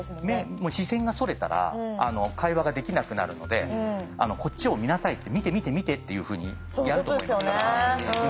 視線がそれたら会話ができなくなるので「こっちを見なさい」って「見て見て見て」っていうふうにやると思いますから。